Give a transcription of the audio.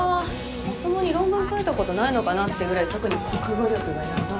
まともに論文書いたことないのかなっていうぐらい特に国語力がヤバい。